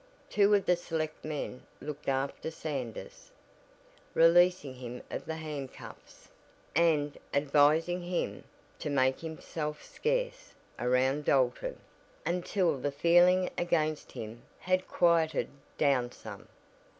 Two of the selectmen looked after Sanders, releasing him of the handcuffs, and advising him "to make himself scarce" around Dalton, until the feeling against him had quieted down some.